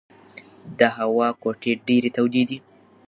د هوټل کوټې ډېرې تودې دي.